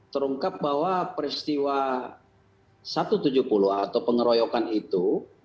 terungkap bahwa peristiwa satu ratus tujuh puluh atau pengeroyokan itu